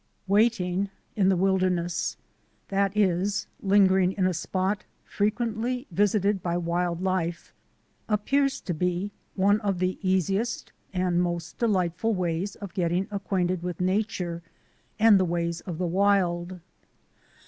WAITING in the wilderness, that is, lingering in a spot frequently visited by wild life, appears to be one of the easiest and most delightful ways of getting acquainted with nature and the ways of the wild.